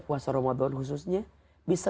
puasa ramadan khususnya bisa